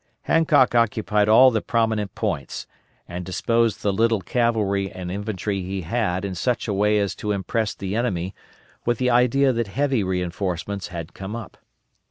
Hancock occupied all the prominent points, and disposed the little cavalry and infantry he had in such a way as to impress the enemy with the idea that heavy reinforcements had come up.